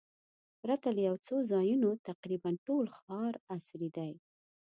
پرته له یو څو ځایونو تقریباً ټول ښار عصري دی.